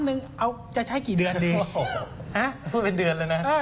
นึงเอาจะใช้กี่เดือนดีช่วยเป็นเดือนเลยนะ